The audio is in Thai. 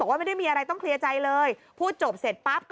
ว่าไม่ได้มีอะไรต้องเคลียร์ใจเลยพูดจบเสร็จปั๊บ